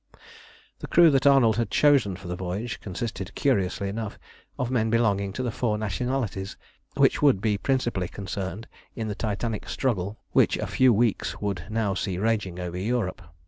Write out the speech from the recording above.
The crew that Arnold had chosen for the voyage consisted, curiously enough, of men belonging to the four nationalities which would be principally concerned in the Titanic struggle which a few weeks would now see raging over Europe.